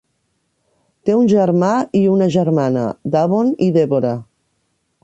Té un germà i una germana, Davon i Deborah.